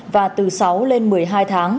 và từ sáu tháng lên một mươi hai tháng